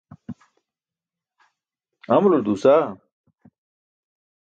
amular duusaa